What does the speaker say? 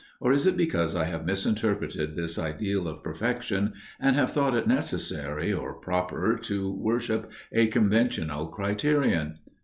Or is it because I have misinterpreted this ideal of perfection, and have thought it necessary or proper to worship a conventional criterion?